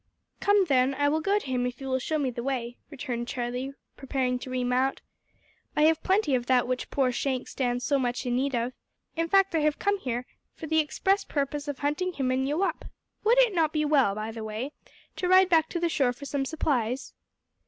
"Come, then, I will go to him if you will show me the way," returned Charlie, preparing to remount. "I have plenty of that which poor Shank stands so much in need of. In fact I have come here for the express purpose of hunting him and you up. Would it not be well, by the way, to ride back to the store for some supplies?"